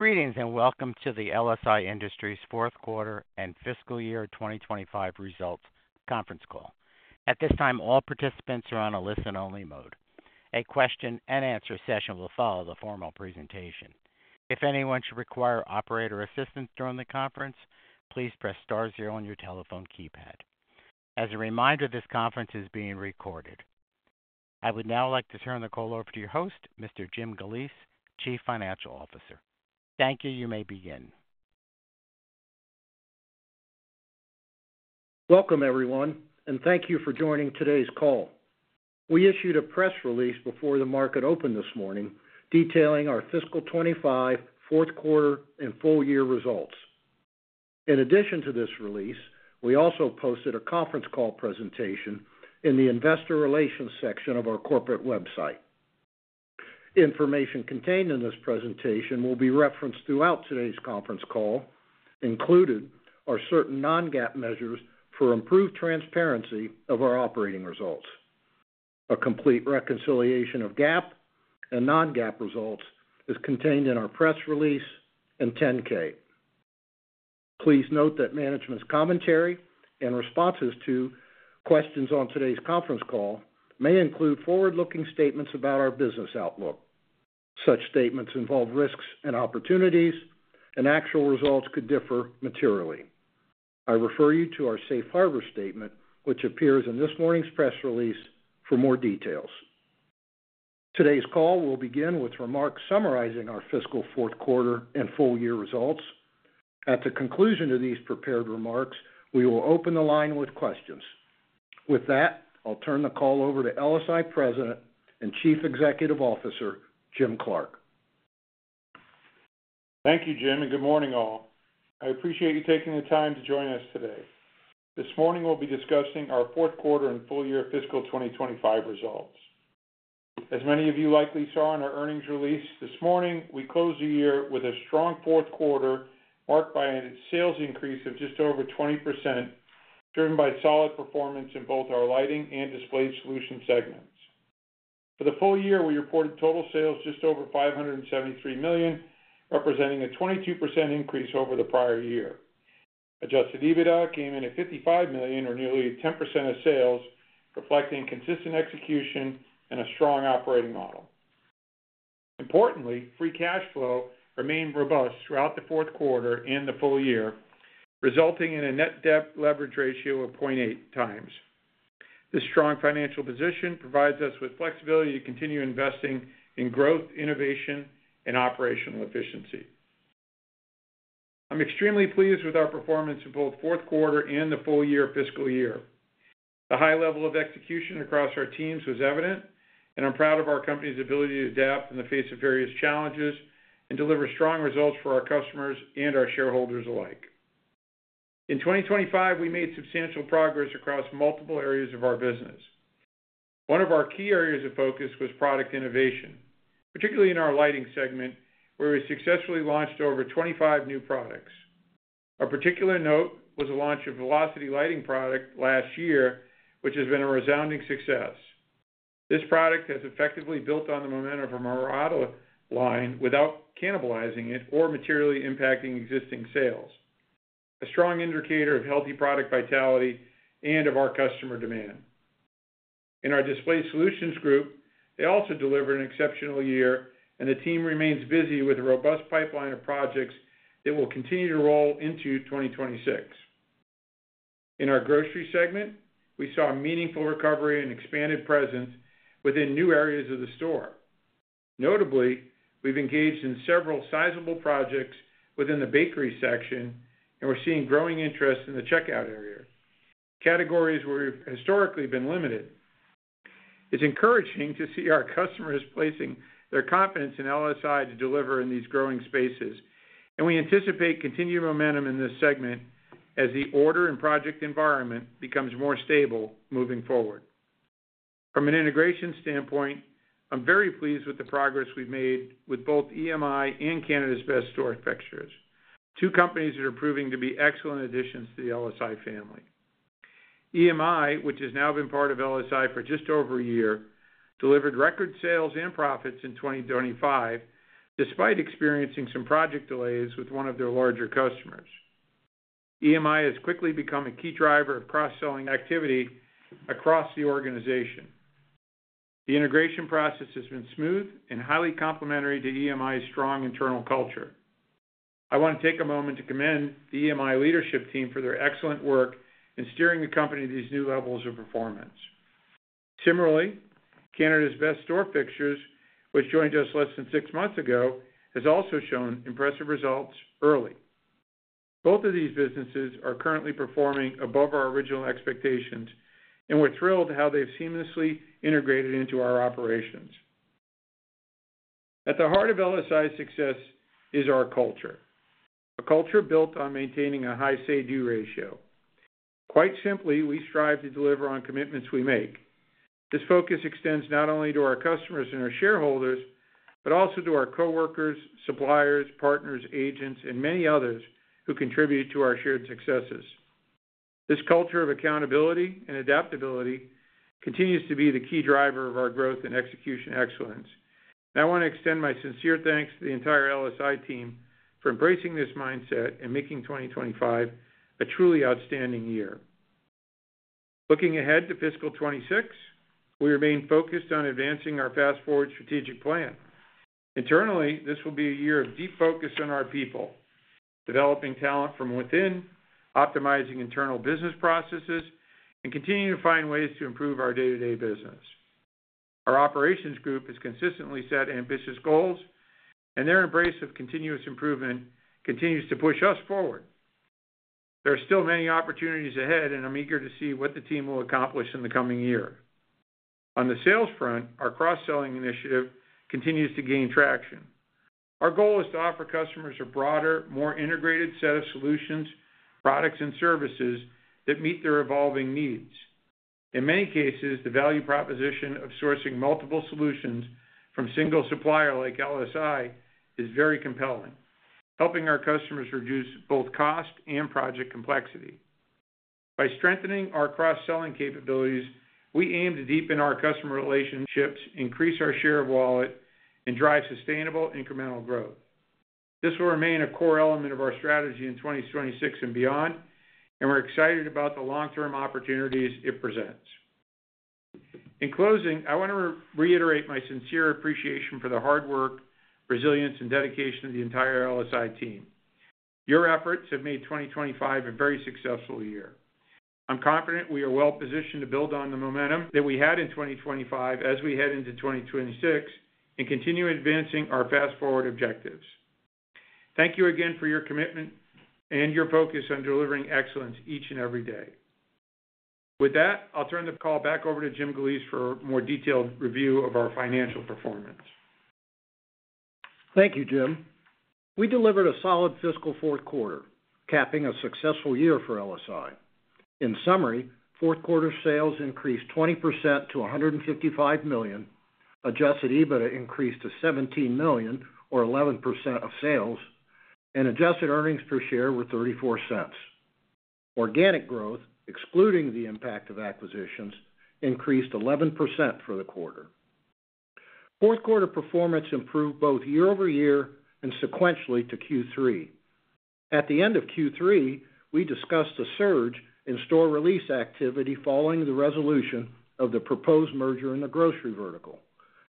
Greetings and welcome to the LSI Industries fourth quarter and fiscal year 2025 results conference call. At this time, all participants are on a listen-only mode. A question and answer session will follow the formal presentation. If anyone should require operator assistance during the conference, please press star zero on your telephone keypad. As a reminder, this conference is being recorded. I would now like to turn the call over to your host, Mr. Jim Galeese, Chief Financial Officer. Thank you. You may begin. Welcome, everyone, and thank you for joining today's call. We issued a press release before the market opened this morning, detailing our fiscal 2025 fourth quarter and full-year results. In addition to this release, we also posted a conference call presentation in the Investor Relations section of our corporate website. Information contained in this presentation will be referenced throughout today's conference call, including our certain non-GAAP measures for improved transparency of our operating results. A complete reconciliation of GAAP and non-GAAP results is contained in our press release and 10-K. Please note that management's commentary and responses to questions on today's conference call may include forward-looking statements about our business outlook. Such statements involve risks and opportunities, and actual results could differ materially. I refer you to our safe harbor statement, which appears in this morning's press release, for more details. Today's call will begin with remarks summarizing our fiscal fourth quarter and full-year results. At the conclusion of these prepared remarks, we will open the line with questions. With that, I'll turn the call over to LSI President and Chief Executive Officer Jim Clark. Thank you, Jim, and good morning all. I appreciate you taking the time to join us today. This morning, we'll be discussing our fourth quarter and full-year fiscal 2025 results. As many of you likely saw in our earnings release this morning, we closed the year with a strong fourth quarter marked by a sales increase of just over 20%, driven by solid performance in both our lighting and display solution segments. For the full year, we reported total sales just over $573 million, representing a 22% increase over the prior year. Adjusted EBITDA came in at $55 million, or nearly 10% of sales, reflecting consistent execution and a strong operating model. Importantly, free cash flow remained robust throughout the fourth quarter and the full year, resulting in a net debt leverage ratio of 0.8x. This strong financial position provides us with flexibility to continue investing in growth, innovation, and operational efficiency. I'm extremely pleased with our performance in both the fourth quarter and the full-year fiscal year. The high level of execution across our teams was evident, and I'm proud of our company's ability to adapt in the face of various challenges and deliver strong results for our customers and our shareholders alike. In 2025, we made substantial progress across multiple areas of our business. One of our key areas of focus was product innovation, particularly in our lighting segment, where we successfully launched over 25 new products. A particular note was the launch of a Velocity Lighting product last year, which has been a resounding success. This product has effectively built on the momentum from our auto line without cannibalizing it or materially impacting existing sales, a strong indicator of healthy product vitality and of our customer demand. In our display solutions group, they also delivered an exceptional year, and the team remains busy with a robust pipeline of projects that will continue to roll into 2026. In our grocery segment, we saw a meaningful recovery and expanded presence within new areas of the store. Notably, we've engaged in several sizable projects within the bakery section, and we're seeing growing interest in the checkout area, categories where we've historically been limited. It's encouraging to see our customers placing their confidence in LSI to deliver in these growing spaces, and we anticipate continued momentum in this segment as the order and project environment becomes more stable moving forward. From an integration standpoint, I'm very pleased with the progress we've made with both EMI and Canada’s Best Store Fixtures, two companies that are proving to be excellent additions to the LSI family. EMI, which has now been part of LSI for just over a year, delivered record sales and profits in 2025, despite experiencing some project delays with one of their larger customers. EMI has quickly become a key driver of cross-selling activity across the organization. The integration process has been smooth and highly complementary to EMI's strong internal culture. I want to take a moment to commend the EMI leadership team for their excellent work in steering the company to these new levels of performance. Similarly, Canada’s Best Store Fixtures, which joined us less than six months ago, has also shown impressive results early. Both of these businesses are currently performing above our original expectations, and we're thrilled how they've seamlessly integrated into our operations. At the heart of LSI's success is our culture, a culture built on maintaining a high say-to-do ratio. Quite simply, we strive to deliver on commitments we make. This focus extends not only to our customers and our shareholders, but also to our coworkers, suppliers, partners, agents, and many others who contribute to our shared successes. This culture of accountability and adaptability continues to be the key driver of our growth and execution excellence. I want to extend my sincere thanks to the entire LSI team for embracing this mindset and making 2025 a truly outstanding year. Looking ahead to fiscal 2026, we remain focused on advancing our fast-forward strategic plan. Internally, this will be a year of deep focus on our people, developing talent from within, optimizing internal business processes, and continuing to find ways to improve our day-to-day business. Our operations group has consistently set ambitious goals, and their embrace of continuous improvement continues to push us forward. There are still many opportunities ahead, and I'm eager to see what the team will accomplish in the coming year. On the sales front, our cross-selling initiative continues to gain traction. Our goal is to offer customers a broader, more integrated set of solutions, products, and services that meet their evolving needs. In many cases, the value proposition of sourcing multiple solutions from a single supplier like LSI is very compelling, helping our customers reduce both cost and project complexity. By strengthening our cross-selling capabilities, we aim to deepen our customer relationships, increase our share of wallet, and drive sustainable incremental growth. This will remain a core element of our strategy in 2026 and beyond, and we're excited about the long-term opportunities it presents. In closing, I want to reiterate my sincere appreciation for the hard work, resilience, and dedication of the entire LSI team. Your efforts have made 2025 a very successful year. I'm confident we are well-positioned to build on the momentum that we had in 2025 as we head into 2026 and continue advancing our fast-forward objectives. Thank you again for your commitment and your focus on delivering excellence each and every day. With that, I'll turn the call back over to Jim Galeese for a more detailed review of our financial performance. Thank you, Jim. We delivered a solid fiscal fourth quarter, capping a successful year for LSI In summary, fourth quarter sales increased 20% to $155 million, adjusted EBITDA increased to $17 million, or 11% of sales, and adjusted earnings per share were $0.34. Organic growth, excluding the impact of acquisitions, increased 11% for the quarter. Fourth quarter performance improved both year-over-year and sequentially to Q3. At the end of Q3, we discussed a surge in store release activity following the resolution of the proposed merger in the grocery vertical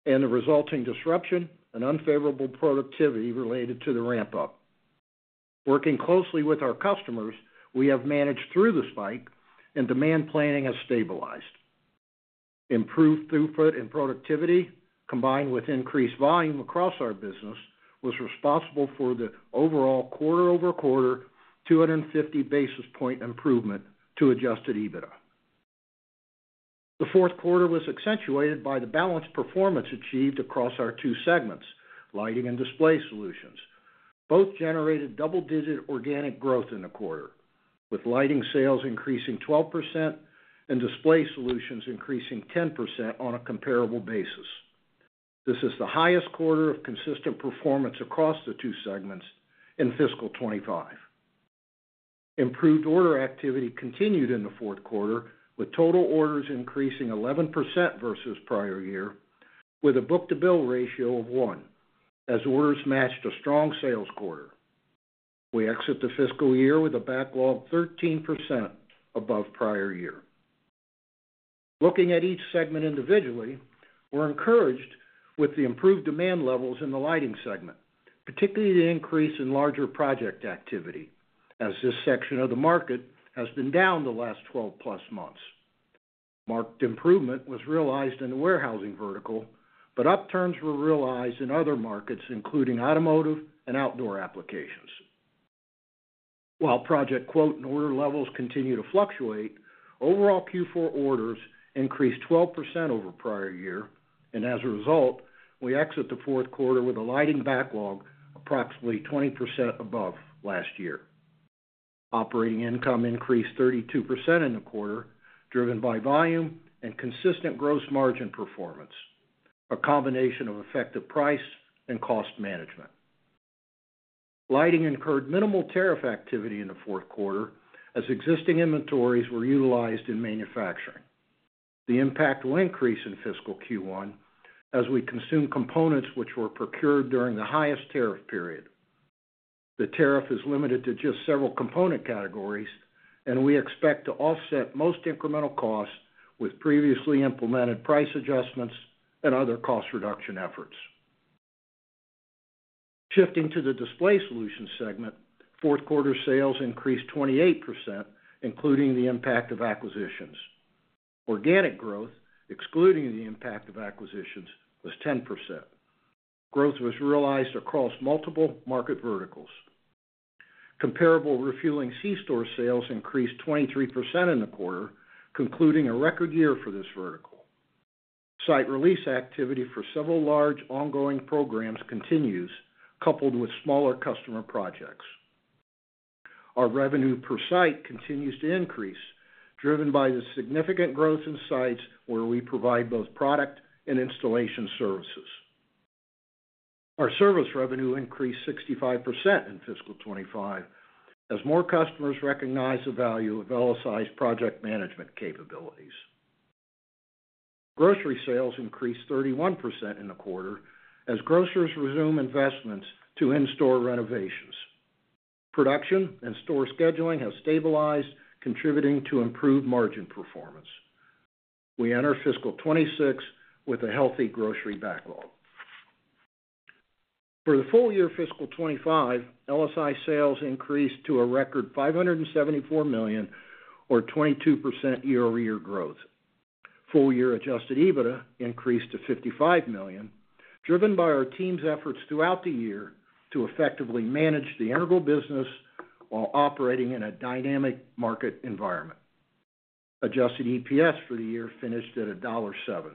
and the resulting disruption and unfavorable productivity related to the ramp-up. Working closely with our customers, we have managed through the spike, and demand planning has stabilized. Improved throughput and productivity, combined with increased volume across our business, was responsible for the overall quarter-over-quarter 250 basis point improvement to adjusted EBITDA. The fourth quarter was accentuated by the balanced performance achieved across our two segments, lighting and display solutions. Both generated double-digit organic growth in the quarter, with lighting sales increasing 12% and display solutions increasing 10% on a comparable basis. This is the highest quarter of consistent performance across the two segments in fiscal 2025. Improved order activity continued in the fourth quarter, with total orders increasing 11% versus prior year, with a book-to-bill ratio of one, as orders matched a strong sales quarter. We exit the fiscal year with a backlog 13% above prior year. Looking at each segment individually, we're encouraged with the improved demand levels in the lighting segment, particularly the increase in larger project activity, as this section of the market has been down the last 12+ months. Marked improvement was realized in the warehousing vertical, but upturns were realized in other markets, including automotive and outdoor applications. While project quote and order levels continue to fluctuate, overall Q4 orders increased 12% over prior year, and as a result, we exit the fourth quarter with a lighting backlog approximately 20% above last year. Operating income increased 32% in the quarter, driven by volume and consistent gross margin performance, a combination of effective price and cost management. Lighting incurred minimal tariff activity in the fourth quarter, as existing inventories were utilized in manufacturing. The impact will increase in fiscal Q1 as we consume components which were procured during the highest tariff period. The tariff is limited to just several component categories, and we expect to offset most incremental costs with previously implemented price adjustments and other cost reduction efforts. Shifting to the display solution segment, fourth quarter sales increased 28%, including the impact of acquisitions. Organic growth, excluding the impact of acquisitions, was 10%. Growth was realized across multiple market verticals. Comparable refueling C-Store sales increased 23% in the quarter, concluding a record year for this vertical. Site release activity for several large ongoing programs continues, coupled with smaller customer projects. Our revenue per site continues to increase, driven by the significant growth in sites where we provide both product and installation services. Our service revenue increased 65% in fiscal 2025, as more customers recognize the value of LSI project management capabilities. Grocery sales increased 31% in the quarter, as grocers resume investments to in-store renovations. Production and store scheduling have stabilized, contributing to improved margin performance. We enter fiscal 2026 with a healthy grocery backlog. For the full year, fiscal 2025, LSI sales increased to a record $574 million, or 22% year-over-year growth. Full-year adjusted EBITDA increased to $55 million, driven by our team's efforts throughout the year to effectively manage the integral business while operating in a dynamic market environment. Adjusted EPS for the year finished at $1.07.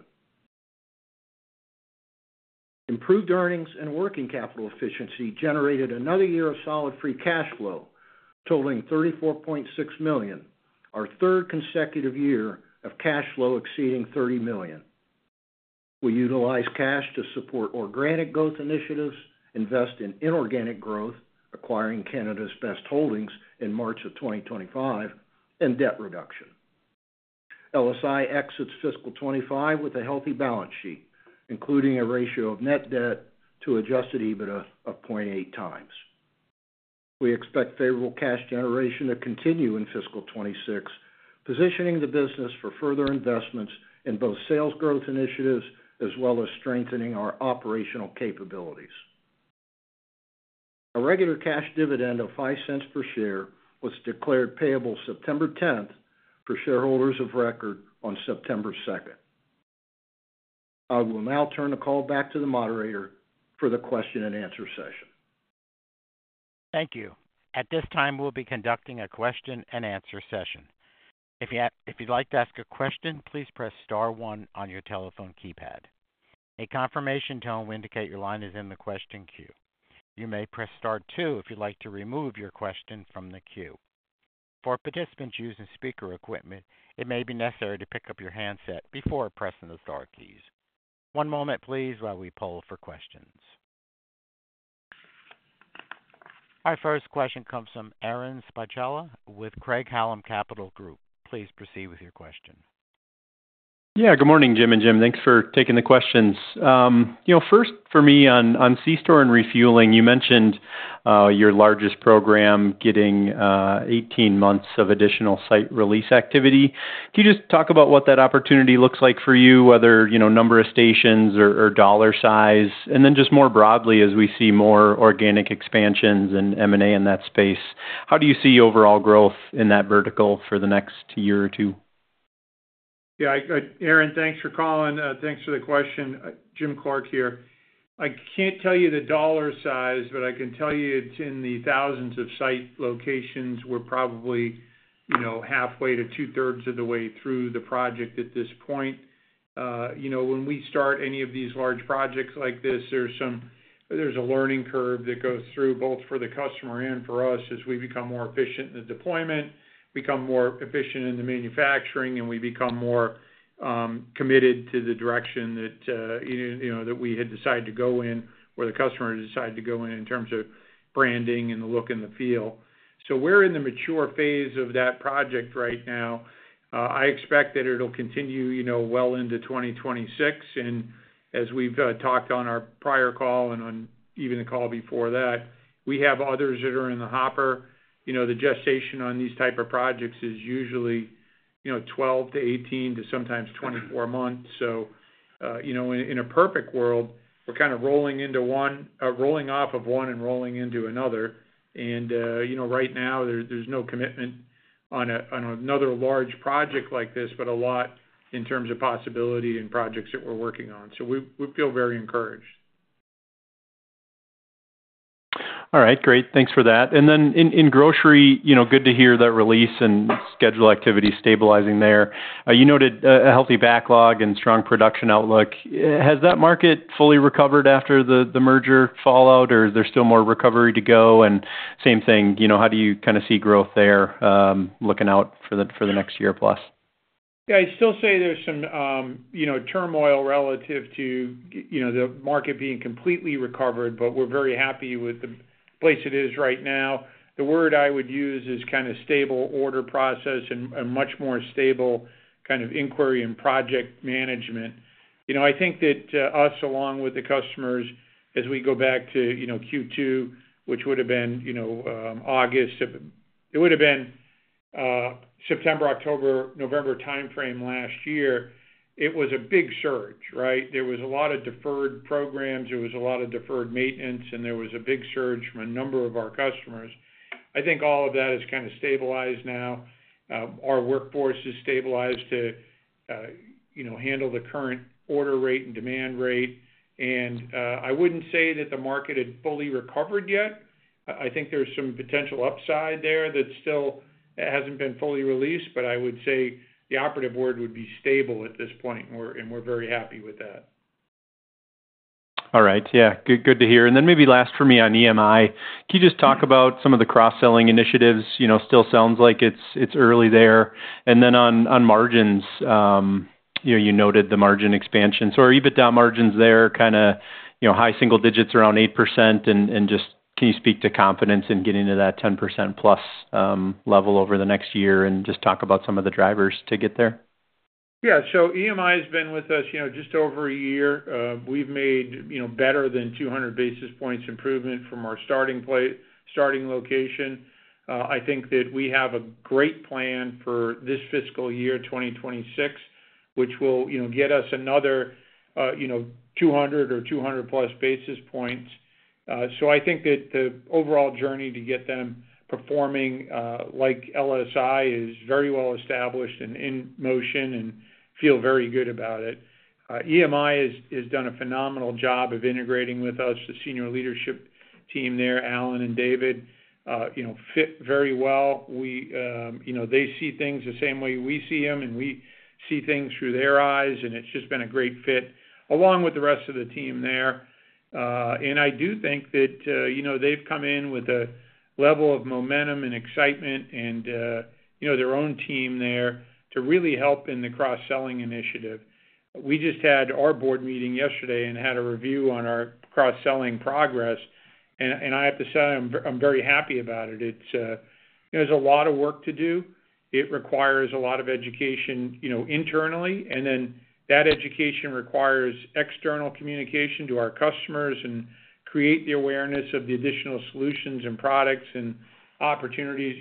Improved earnings and working capital efficiency generated another year of solid free cash flow, totaling $34.6 million, our third consecutive year of cash flow exceeding $30 million. We utilize cash to support organic growth initiatives, invest in inorganic growth, acquiring Canada’s Best Store Fixtures in March of 2025, and debt reduction. LSI exits fiscal 2025 with a healthy balance sheet, including a ratio of net debt to adjusted EBITDA of 0.8x. We expect favorable cash generation to continue in fiscal 2026, positioning the business for further investments in both sales growth initiatives as well as strengthening our operational capabilities. A regular cash dividend of $0.05 per share was declared payable September 10th for shareholders of record on September 2nd. I will now turn the call back to the moderator for the question and answer session. Thank you. At this time, we'll be conducting a question and answer session. If you'd like to ask a question, please press star one on your telephone keypad. A confirmation tone will indicate your line is in the question queue. You may press star two if you'd like to remove your question from the queue. For participants using speaker equipment, it may be necessary to pick up your handset before pressing the star keys. One moment, please, while we poll for questions. Our first question comes from Aaron Spychalla with Craig-Hallum Capital Group. Please proceed with your question. Good morning, Jim and Jim. Thanks for taking the questions. First for me on C-Store and refueling, you mentioned your largest program getting 18 months of additional site release activity. Can you just talk about what that opportunity looks like for you, whether number of stations or dollar size, and then just more broadly, as we see more organic expansions and M&A in that space, how do you see overall growth in that vertical for the next year or two? Yeah, Aaron, thanks for calling. Thanks for the question. Jim Clark here. I can't tell you the dollar size, but I can tell you it's in the thousands of site locations. We're probably halfway to two-thirds of the way through the project at this point. When we start any of these large projects like this, there's a learning curve that goes through both for the customer and for us as we become more efficient in the deployment, become more efficient in the manufacturing, and we become more committed to the direction that we had decided to go in or the customer had decided to go in in terms of branding and the look and the feel. We're in the mature phase of that project right now. I expect that it'll continue well into 2026. As we've talked on our prior call and on even the call before that, we have others that are in the hopper. The gestation on these types of projects is usually 12 months-18 months to sometimes 24 months. In a perfect world, we're kind of rolling into one, rolling off of one and rolling into another. Right now there's no commitment on another large project like this, but a lot in terms of possibility and projects that we're working on. We feel very encouraged. All right, great. Thanks for that. In grocery, good to hear that release and schedule activity stabilizing there. You noted a healthy backlog and strong production outlook. Has that market fully recovered after the merger fallout, or is there still more recovery to go? Same thing, how do you kind of see growth there, looking out for the next year plus? Yeah, I'd still say there's some turmoil relative to the market being completely recovered, but we're very happy with the place it is right now. The word I would use is kind of stable order process and much more stable kind of inquiry and project management. I think that us, along with the customers, as we go back to Q2, which would have been August, it would have been September, October, November timeframe last year, it was a big surge, right? There was a lot of deferred programs, there was a lot of deferred maintenance, and there was a big surge from a number of our customers. I think all of that has kind of stabilized now. Our workforce is stabilized to handle the current order rate and demand rate. I wouldn't say that the market had fully recovered yet. I think there's some potential upside there that still hasn't been fully released, but I would say the operative word would be stable at this point, and we're very happy with that. All right, good to hear. Maybe last for me on EMI, can you just talk about some of the cross-selling initiatives? It still sounds like it's early there. On margins, you noted the margin expansion. Are EBITDA margins there kind of high single digits, around 8%? Can you speak to confidence in getting to that 10%+ level over the next year and talk about some of the drivers to get there? Yeah, so EMI has been with us just over a year. We've made better than 200 basis points improvement from our starting plate, starting location. I think that we have a great plan for this fiscal year, 2026, which will get us another 200 basis points or 200+ basis points. I think that the overall journey to get them performing like LSI is very well established and in motion and feel very good about it. EMI has done a phenomenal job of integrating with us, the Senior Leadership Team there, Alan and David, fit very well. They see things the same way we see them, and we see things through their eyes, and it's just been a great fit along with the rest of the team there. I do think that they've come in with a level of momentum and excitement and their own team there to really help in the cross-selling initiative. We just had our board meeting yesterday and had a review on our cross-selling progress. I have to say, I'm very happy about it. There's a lot of work to do. It requires a lot of education internally, and then that education requires external communication to our customers and create the awareness of the additional solutions and products and opportunities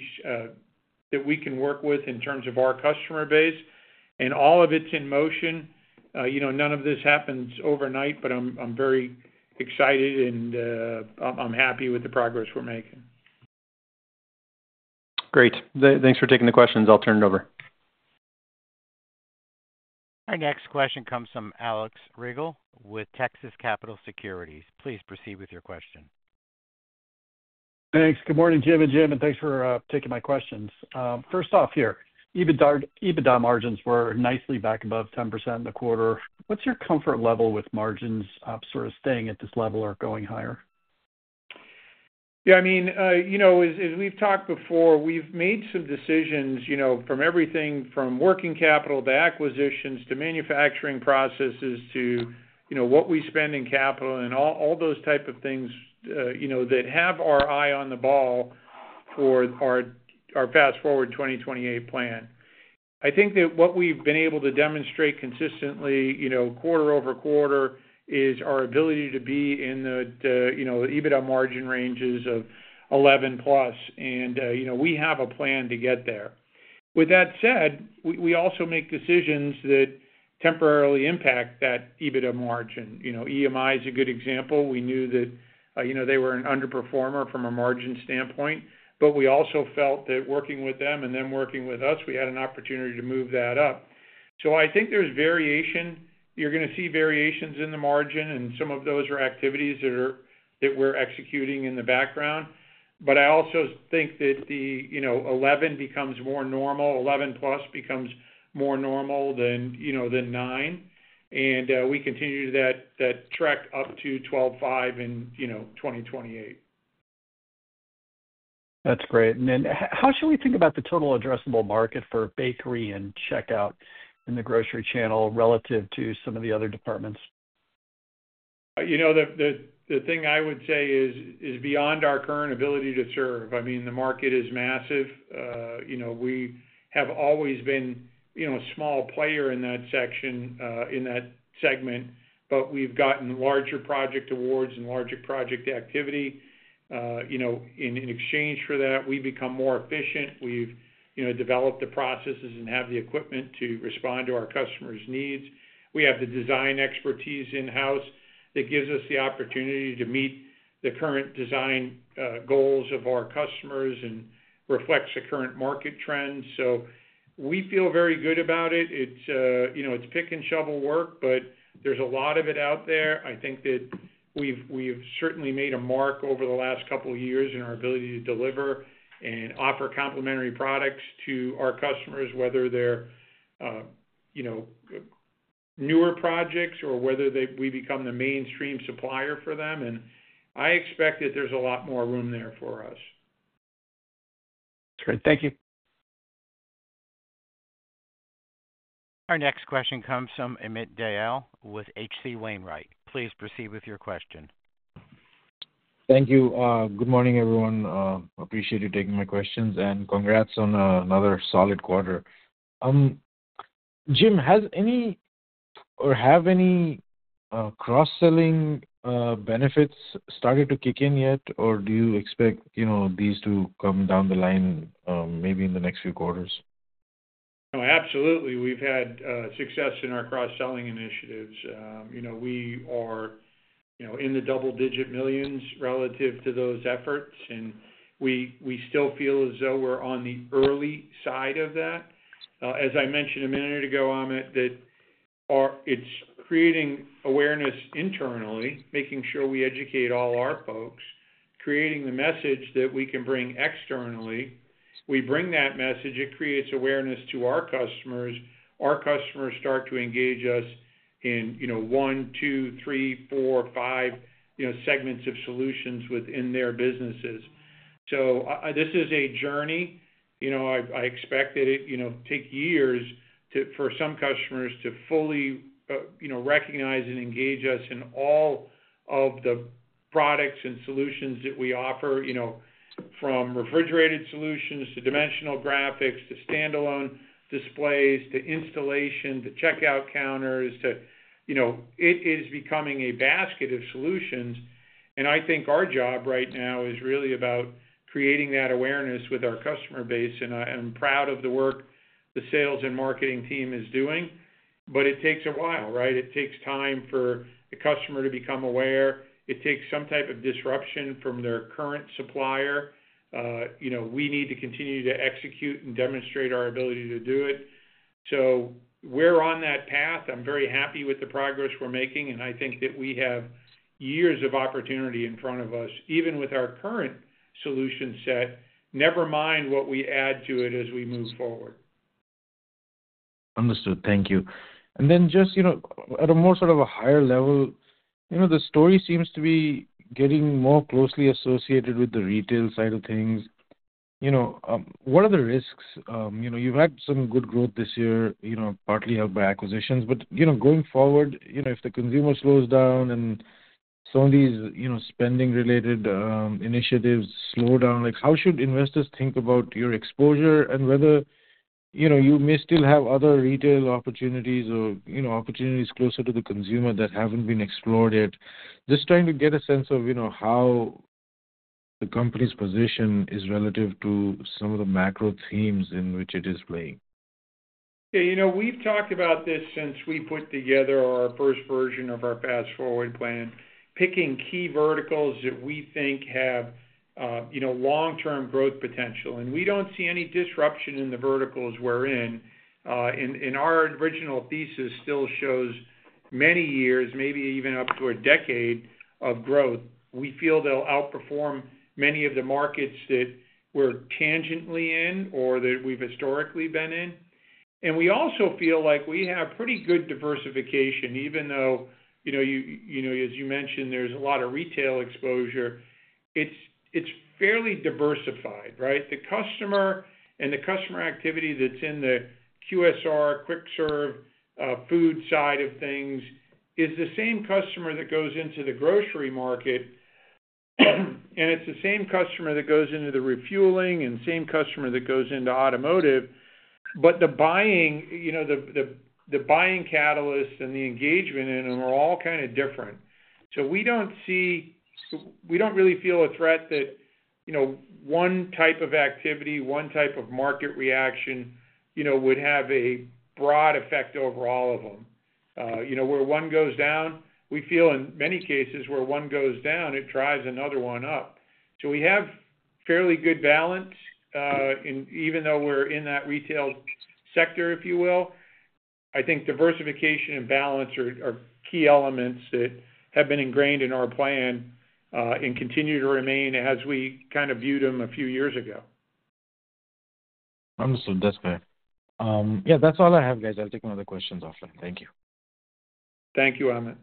that we can work with in terms of our customer base. All of it's in motion. None of this happens overnight, but I'm very excited and I'm happy with the progress we're making. Great. Thanks for taking the questions. I'll turn it over. Our next question comes from Alex Rygiel with Texas Capital Securities. Please proceed with your question. Thanks. Good morning, Jim and Jim, and thanks for taking my questions. First off here, EBITDA margins were nicely back above 10% in the quarter. What's your comfort level with margins sort of staying at this level or going higher? Yeah, I mean, as we've talked before, we've made some decisions from everything from working capital to acquisitions to manufacturing processes to what we spend in capital and all those types of things that have our eye on the ball for our fast-forward 2028 plan. I think that what we've been able to demonstrate consistently, quarter-over-quarter, is our ability to be in the EBITDA margin ranges of 11%+, and we have a plan to get there. With that said, we also make decisions that temporarily impact that EBITDA margin. EMI is a good example. We knew that they were an underperformer from a margin standpoint, but we also felt that working with them and them working with us, we had an opportunity to move that up. I think there's variation. You're going to see variations in the margin, and some of those are activities that we're executing in the background. I also think that the 11% becomes more normal, 11%+ becomes more normal than nine, and we continue that track up to 12.5% in 2028. That's great. How should we think about the total addressable market for bakery and checkout in the grocery channel relative to some of the other departments? The thing I would say is beyond our current ability to serve. The market is massive. We have always been a small player in that segment, but we've gotten larger project awards and larger project activity. In exchange for that, we've become more efficient. We've developed the processes and have the equipment to respond to our customers' needs. We have the design expertise in-house that gives us the opportunity to meet the current design goals of our customers and reflects the current market trends. We feel very good about it. It's pick and shovel work, but there's a lot of it out there. I think that we've certainly made a mark over the last couple of years in our ability to deliver and offer complementary products to our customers, whether they're newer projects or whether we become the mainstream supplier for them.I expect that there's a lot more room there for us. That's great. Thank you. Our next question comes from Amit Dayal with H.C. Wainwright. Please proceed with your question. Thank you. Good morning, everyone. Appreciate you taking my questions and congrats on another solid quarter. Jim, have any cross-selling benefits started to kick in yet, or do you expect these to come down the line, maybe in the next few quarters? Oh, absolutely. We've had success in our cross-selling initiatives. We are in the double-digit millions relative to those efforts, and we still feel as though we're on the early side of that. As I mentioned a minute ago, Amit, it's creating awareness internally, making sure we educate all our folks, creating the message that we can bring externally. We bring that message. It creates awareness to our customers. Our customers start to engage us in one, two, three, four, five segments of solutions within their businesses. This is a journey. I expect that it takes years for some customers to fully recognize and engage us in all of the products and solutions that we offer, from refrigerated solutions to dimensional graphics to standalone displays to installation to checkout counters. It is becoming a basket of solutions. I think our job right now is really about creating that awareness with our customer base. I'm proud of the work the sales and marketing team is doing, but it takes a while, right? It takes time for the customer to become aware. It takes some type of disruption from their current supplier. We need to continue to execute and demonstrate our ability to do it. We're on that path. I'm very happy with the progress we're making, and I think that we have years of opportunity in front of us, even with our current solution set, never mind what we add to it as we move forward. Thank you. At a more sort of higher level, the story seems to be getting more closely associated with the retail side of things. What are the risks? You've had some good growth this year, partly helped by acquisitions, but going forward, if the consumer slows down and some of these spending-related initiatives slow down, how should investors think about your exposure and whether you may still have other retail opportunities or opportunities closer to the consumer that haven't been explored yet? Just trying to get a sense of how the company's position is relative to some of the macro themes in which it is playing. Yeah, you know, we've talked about this since we put together our first version of our fast-forward plan, picking key verticals that we think have long-term growth potential. We don't see any disruption in the verticals we're in. Our original thesis still shows many years, maybe even up to a decade of growth. We feel they'll outperform many of the markets that we're tangently in or that we've historically been in. We also feel like we have pretty good diversification, even though, as you mentioned, there's a lot of retail exposure. It's fairly diversified, right? The customer and the customer activity that's in the QSR, quick serve, food side of things is the same customer that goes into the grocery market. It's the same customer that goes into the refueling and the same customer that goes into automotive. The buying catalysts and the engagement in them are all kind of different. We don't see, we don't really feel a threat that one type of activity, one type of market reaction, would have a broad effect over all of them. Where one goes down, we feel in many cases where one goes down, it drives another one up. We have fairly good balance. Even though we're in that retail sector, if you will, I think diversification and balance are key elements that have been ingrained in our plan and continue to remain as we kind of viewed them a few years ago. Understood. That's fair. Yeah, that's all I have, guys. I'll take one of the questions offline. Thank you. Thank you, Amit.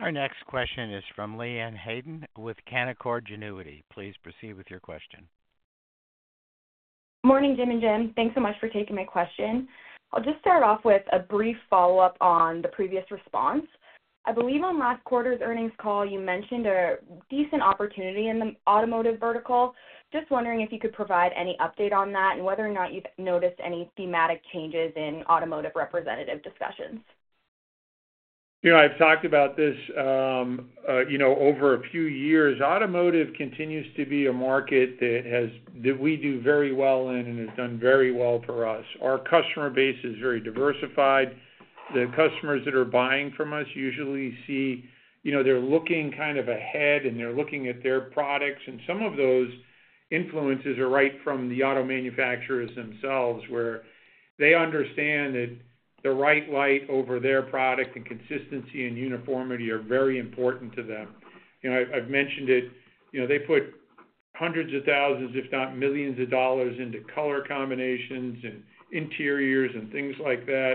Our next question is from Leanne Hayden with Canaccord Genuity. Please proceed with your question. Morning, Jim and Jim. Thanks so much for taking my question. I'll just start off with a brief follow-up on the previous response. I believe on last quarter's earnings call, you mentioned a decent opportunity in the automotive vertical. Just wondering if you could provide any update on that and whether or not you've noticed any thematic changes in automotive representative discussions. I've talked about this over a few years. Automotive continues to be a market that we do very well in and has done very well for us. Our customer base is very diversified. The customers that are buying from us usually see they're looking kind of ahead and they're looking at their products. Some of those influences are right from the auto manufacturers themselves, where they understand that the right light over their product and consistency and uniformity are very important to them. I've mentioned it, they put hundreds of thousands, if not millions of dollars, into color combinations and interiors and things like that.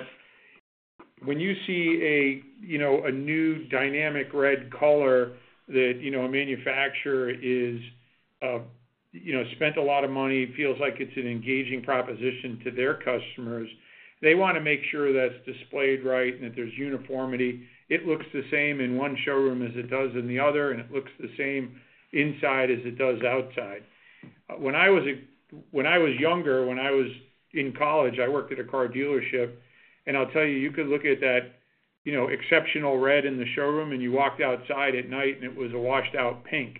When you see a new dynamic red color that a manufacturer has spent a lot of money, it feels like it's an engaging proposition to their customers. They want to make sure that's displayed right and that there's uniformity. It looks the same in one showroom as it does in the other, and it looks the same inside as it does outside. When I was younger, when I was in college, I worked at a car dealership, and I'll tell you, you could look at that exceptional red in the showroom and you walked outside at night and it was a washed-out pink.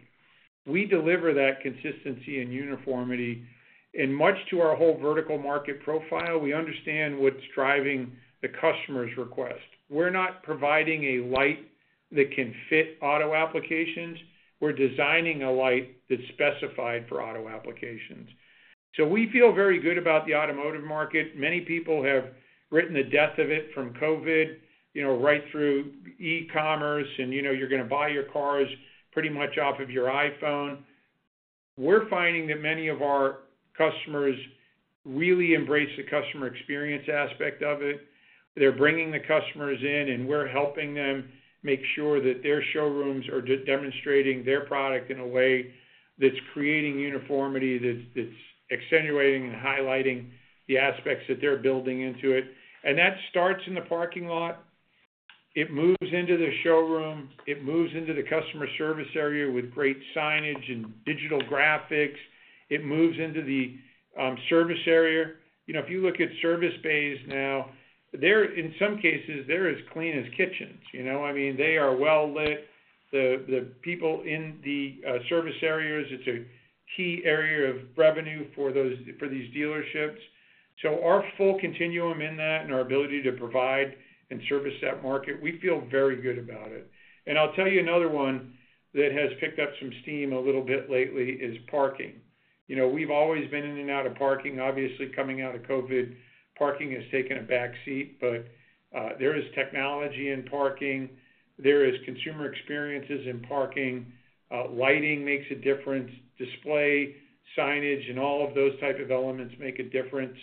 We deliver that consistency and uniformity. Much to our whole vertical market profile, we understand what's driving the customer's request. We're not providing a light that can fit auto applications. We're designing a light that's specified for auto applications. We feel very good about the automotive market. Many people have written the death of it from COVID right through e-commerce, and you're going to buy your cars pretty much off of your iPhone. We're finding that many of our customers really embrace the customer experience aspect of it. They're bringing the customers in and we're helping them make sure that their showrooms are demonstrating their product in a way that's creating uniformity, that's extenuating and highlighting the aspects that they're building into it. That starts in the parking lot. It moves into the showroom. It moves into the customer service area with great signage and digital graphics. It moves into the service area. If you look at service bays now, in some cases, they're as clean as kitchens. They are well-lit. The people in the service areas, it's a key area of revenue for these dealerships. Our full continuum in that and our ability to provide and service that market, we feel very good about it. I'll tell you another one that has picked up some steam a little bit lately is parking. We've always been in and out of parking. Obviously, coming out of COVID, parking has taken a backseat, but there is technology in parking. There are consumer experiences in parking. Lighting makes a difference. Display, signage, and all of those types of elements make a difference.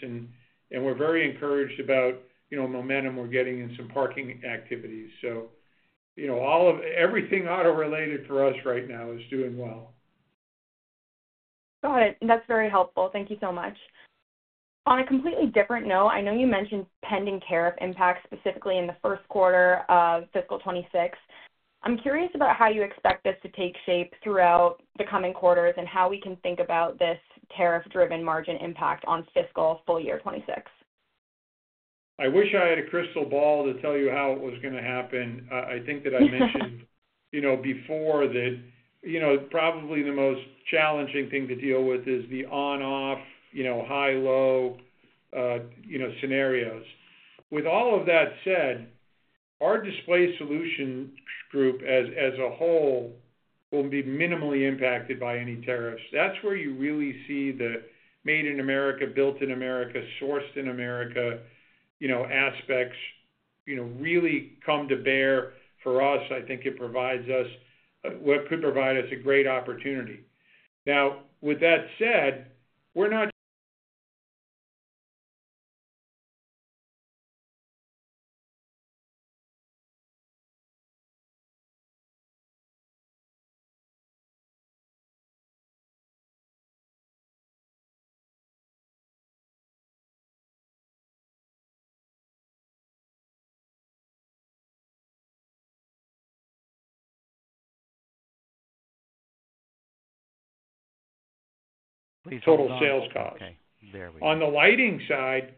We're very encouraged about momentum we're getting in some parking activities. All of everything auto-related for us right now is doing well. Got it. That's very helpful. Thank you so much. On a completely different note, I know you mentioned pending tariff impacts specifically in the first quarter of fiscal 2026. I'm curious about how you expect this to take shape throughout the coming quarters and how we can think about this tariff-driven margin impact on fiscal full year 2026. I wish I had a crystal ball to tell you how it was going to happen. I think that I mentioned before that probably the most challenging thing to deal with is the on-off, high-low scenarios. With all of that said, our display solution group as a whole will be minimally impacted by any tariffs. That's where you really see the made in America, built in America, sourced in America aspects really come to bear for us. I think it provides us what could provide us a great opportunity. Now, with that said, we're not total sales cost. On the lighting side,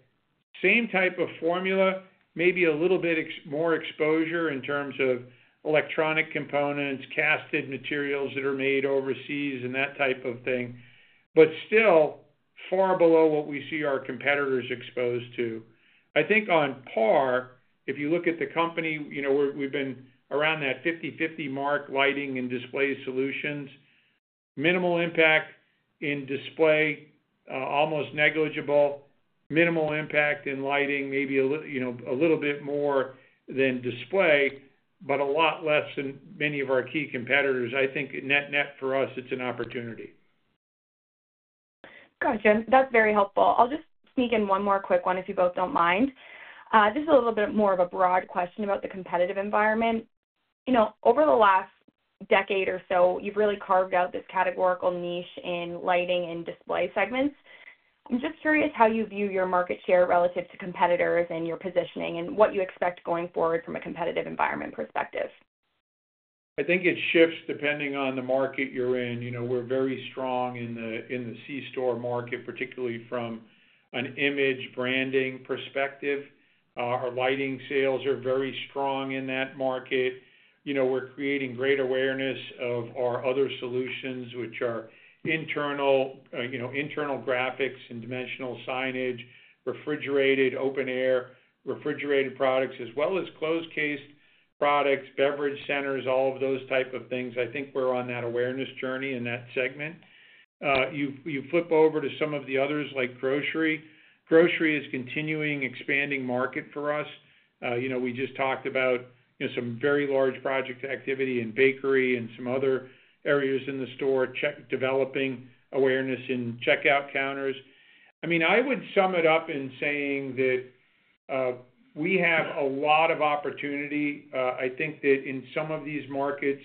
same type of formula, maybe a little bit more exposure in terms of electronic components, casted materials that are made overseas, and that type of thing. Still, far below what we see our competitors exposed to. I think on par, if you look at the company, we've been around that 50/50 mark lighting and display solutions. Minimal impact in display, almost negligible. Minimal impact in lighting, maybe a little bit more than display, but a lot less than many of our key competitors. I think net-net for us, it's an opportunity. Gotcha. That's very helpful. I'll just sneak in one more quick one if you both don't mind. This is a little bit more of a broad question about the competitive environment. Over the last decade or so, you've really carved out this categorical niche in lighting and display segments. I'm just curious how you view your market share relative to competitors and your positioning and what you expect going forward from a competitive environment perspective. I think it shifts depending on the market you're in. You know, we're very strong in the C-Store market, particularly from an image branding perspective. Our lighting sales are very strong in that market. We're creating great awareness of our other solutions, which are internal graphics and dimensional signage, refrigerated open-air refrigerated products, as well as closed-cased products, beverage centers, all of those types of things. I think we're on that awareness journey in that segment. You flip over to some of the others, like grocery. Grocery is a continuing expanding market for us. We just talked about some very large project activity in bakery and some other areas in the store, developing awareness in checkout counters. I would sum it up in saying that we have a lot of opportunity. I think that in some of these markets,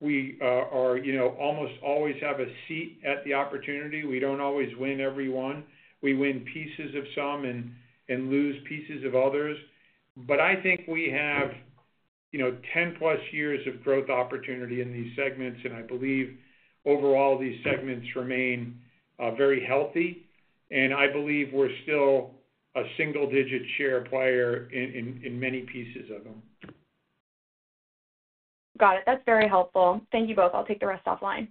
we almost always have a seat at the opportunity. We don't always win every one. We win pieces of some and lose pieces of others. I think we have 10+ years of growth opportunity in these segments, and I believe overall these segments remain very healthy. I believe we're still a single-digit share player in many pieces of them. Got it. That's very helpful. Thank you both. I'll take the rest offline.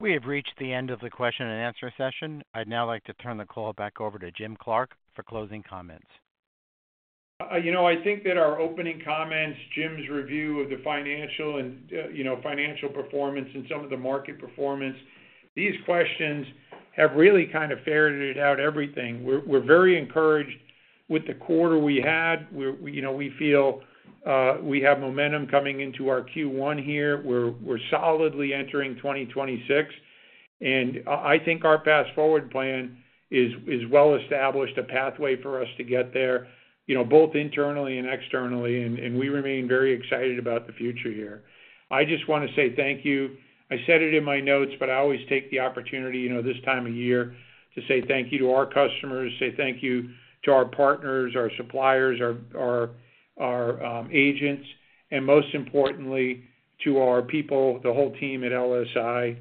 We have reached the end of the question and answer session. I'd now like to turn the call back over to Jim Clark for closing comments. I think that our opening comments, Jim's review of the financial and financial performance and some of the market performance, these questions have really kind of ferreted out everything. We're very encouraged with the quarter we had. We feel we have momentum coming into our Q1 here. We're solidly entering 2026. I think our fast-forward plan is well established, a pathway for us to get there, both internally and externally. We remain very excited about the future here. I just want to say thank you. I said it in my notes, but I always take the opportunity this time of year to say thank you to our customers, thank you to our partners, our suppliers, our agents, and most importantly, to our people, the whole team at LSI.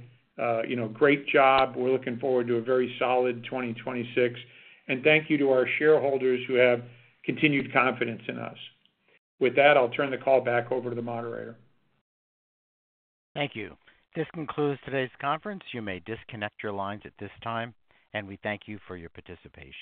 Great job. We're looking forward to a very solid 2026. Thank you to our shareholders who have continued confidence in us. With that, I'll turn the call back over to the moderator. Thank you. This concludes today's conference. You may disconnect your lines at this time, and we thank you for your participation.